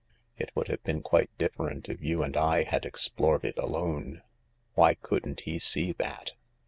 It would have been quite different if you and I had explored it alone. Why couldn't he see that